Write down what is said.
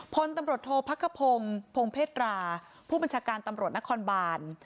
พลตำรวจโทษพักขพงศ์พงเพศราผู้บัญชาการตำรวจนครบาน